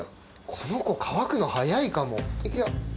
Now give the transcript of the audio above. この子乾くの早いかも行くよ。